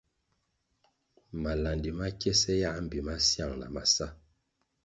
Malandi ma kiese yãh mbpi masiang na masá.